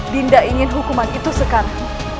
dinda ingin hukuman itu sekarang